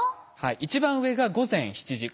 一番上が午前７時。